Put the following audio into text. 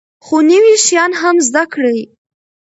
خو نوي شیان هم زده کړئ.